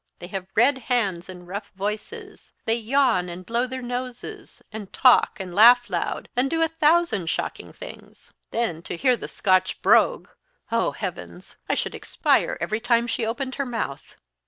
They have red hands and rough voices; they yawn, and blow their noses, and talk, and laugh loud, and do a thousand shocking things. Then, to hear the Scotch brogue oh, heavens! I should expire every time she opened her mouth!"